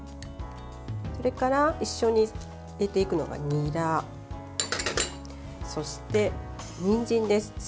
それから一緒に入れていくのが、にらそして、にんじんです。